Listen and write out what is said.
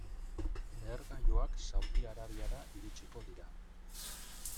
Lehergailuak Saudi Arabiara iritsiko dira.